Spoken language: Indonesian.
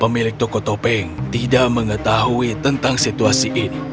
pemilik toko topeng tidak mengetahui tentang situasi ini